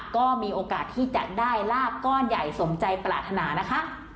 ก็มีโอกาสที่จะได้ลาบก้อนใหญ่สมใจปรารถนานะคะ